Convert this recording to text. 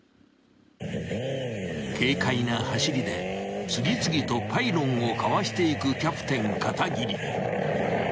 ［軽快な走りで次々とパイロンをかわしていくキャプテン片桐］